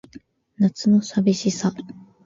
夏の淋しさ